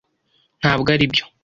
ntabwo aribyo.